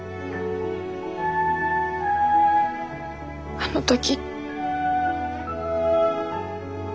あの時。